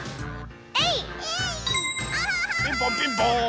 ピンポンピンポーン。